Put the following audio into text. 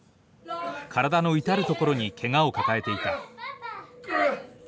体の至る所にけがを抱えていた。